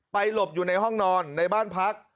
หลบอยู่ในห้องนอนในบ้านพัก